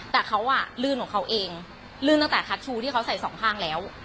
แต่เขาอ่ะลื่นของเขาเองลื่นตั้งแต่คัชชูที่เขาใส่สองข้างแล้ว